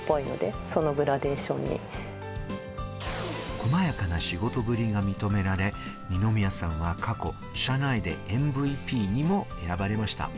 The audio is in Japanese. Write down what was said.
細やかな仕事ぶりが認められ、二宮さんは過去、社内でＭＶＰにも選ばれました。